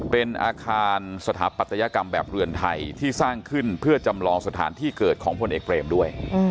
เป็นอาคารสถาปัตยกรรมแบบเรือนไทยที่สร้างขึ้นเพื่อจำลองสถานที่เกิดของพลเอกเบรมด้วย